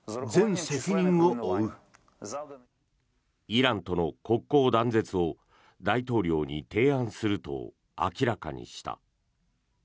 イランとの国交断絶を大統領に提案すると明らかにした。